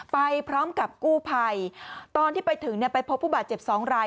ไปพร้อมกับกู้ภัยตอนที่ไปถึงไปพบผู้บาดเจ็บ๒ราย